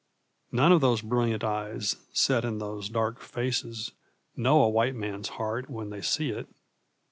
None of those brilliant eyes, set in those dark faces, know a white man's heart when they see it.